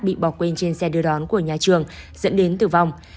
bị bỏ quên trên xe đưa đón của nhà trường dẫn đến tử vong